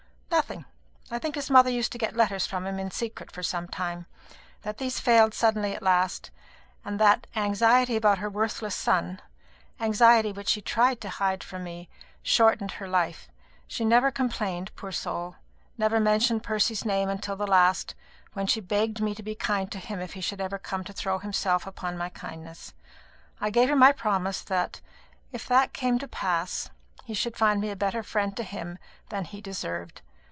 "Nothing. I think his mother used to get letters from him in secret for some time; that these failed suddenly at last; and that anxiety about her worthless son anxiety which she tried to hide from me shortened her life. She never complained, poor soul! never mentioned Percy's name until the last, when she begged me to be kind to him if he should ever come to throw himself upon my kindness. I gave her my promise that, if that came to pass, he should find me a better friend to him than he deserved.